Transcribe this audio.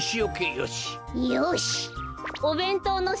よし！